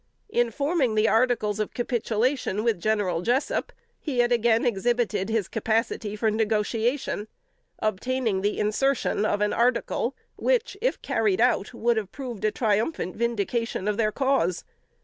In forming the articles of capitulation with general Jessup, he again exhibited his capacity for negotiation; obtaining the insertion of an article which, if carried out, would have proved a triumphant vindication of their cause.